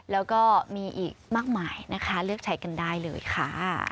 แล้วก็มีอีกมากมายนะคะเลือกใช้กันได้เลยค่ะ